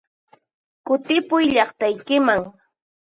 Kutipuy llaqtaykiman!